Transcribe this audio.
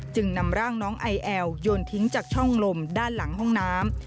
จึงนำร่างน้องไอแอลโยนทิ้งจากช่องลมด้านหลังห้องน้ำ